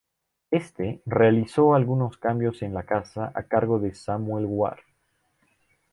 Éste realizó algunos cambios en la casa, a cargo de Samuel Ware.